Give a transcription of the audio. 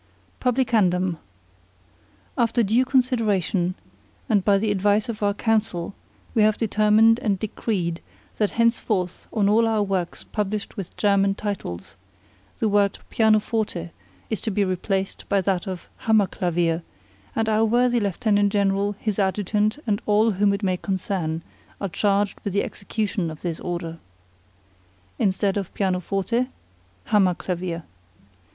PUBLICANDUM, After due consideration, and by the advice of our Council, we have determined and decreed that henceforth on all our works published with German titles, the word Pianoforte is to be replaced by that of Hammer Clavier, and our worthy Lieutenant General, his Adjutant, and all whom it may concern, are charged with the execution of this order. Instead of Pianoforte Hammer Clavier.